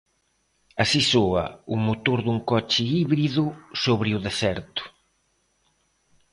Así soa o motor dun coche híbrido sobre o deserto.